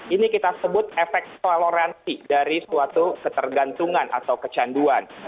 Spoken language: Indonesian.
ini kita sebut efek toleransi dari suatu ketergantungan atau kecanduan